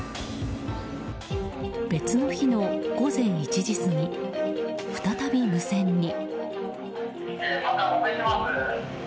別の日の午前１時過ぎ再び無線に。